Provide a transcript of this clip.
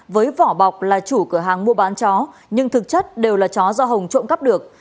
với vỏ bọc là chủ cửa hàng mua bán chó nhưng thực chất đều là chó do hồng trộm cắp được